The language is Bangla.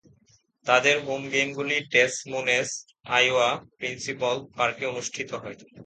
তাদের হোম গেমগুলি ডেস মোনেস, আইওয়া, প্রিন্সিপল পার্কে অনুষ্ঠিত হয়।